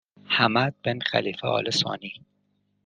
حمد بن خلیفه آل ثانی